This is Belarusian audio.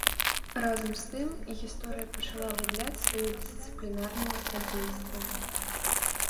Разам з тым, гісторыя пачала губляць сваё дысцыплінарнае адзінства.